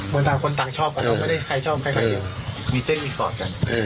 ต่างคนต่างชอบกันเราไม่ได้ใครชอบใครมีเต้นมีกอดกัน